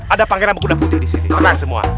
ada pangeran kuda putih disini tenang semua